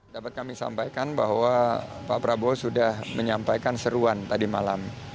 dapat kami sampaikan bahwa pak prabowo sudah menyampaikan seruan tadi malam